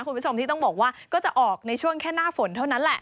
คุณผู้ชมที่ต้องบอกว่าก็จะออกในช่วงแค่หน้าฝนเท่านั้นแหละ